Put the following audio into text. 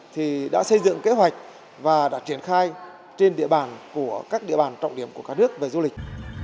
thì đã xây dựng kế hoạch và đã triển khai trên địa bàn của các địa bàn trọng điểm của cả nước về du lịch